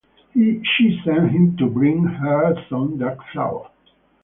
She sent him to bring her some dark flour.